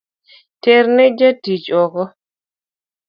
Terne jatich oko